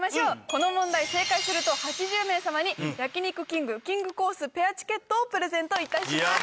この問題正解すると８０名様に焼肉きんぐきんぐコースペアチケットをプレゼントいたします。